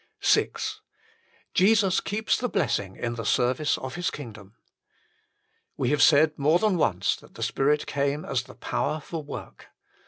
VI Jesus keeps the blessing in the service of His kingdom. We have said more than once that the Spirit came as the power for work.